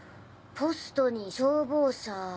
ポストに消防車。